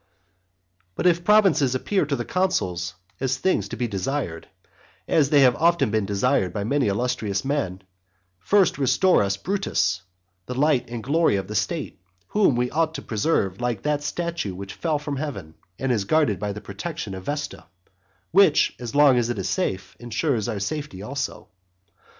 But if provinces appear to the consuls as things to be desired, as they often have been desired by many illustrious men, first restore us Brutus, the light and glory of the state, whom we ought to preserve like that statue which fell from heaven, and is guarded by the protection of Vesta, which, as long as it is safe, ensures our safety also.